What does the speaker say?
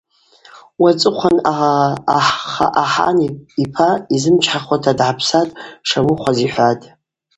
Уацӏыхъван ахан йпа йзымчхӏахуата дгӏапсата дшамуыхуаз йхӏватӏ.